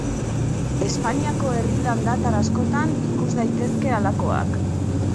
Espainiako herri landatar askotan ikus daitezke halakoak.